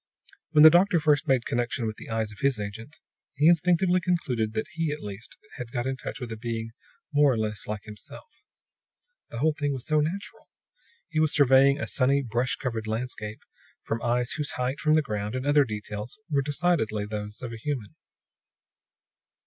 When the doctor first made connection with the eyes of his agent, he instinctively concluded that he, at least, had got in touch with a being more or less like himself. The whole thing was so natural; he was surveying a sunny, brush covered landscape from eyes whose height from the ground, and other details, were decidedly those of a human.